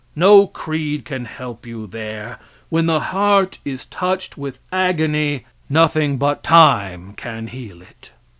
No creed can help you there. When the heart is touched with agony nothing but time can heal it.